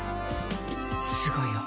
すごいよ。